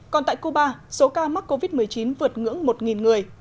còn tại cuba số ca mắc covid một mươi chín vượt ngưỡng một người